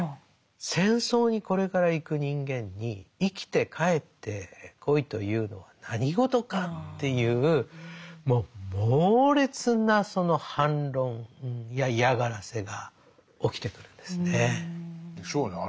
戦争にこれから行く人間に生きて帰ってこいというのは何事かっていうもう猛烈な反論や嫌がらせが起きてくるんですね。でしょうね。